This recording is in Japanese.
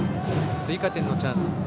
追加点のチャンス。